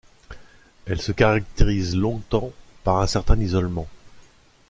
Elle se caractérise longtemps par un certain isolement.